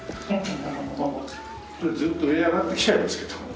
これずっと上に上がってきちゃいますけど。